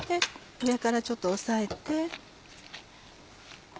上からちょっと押さえて。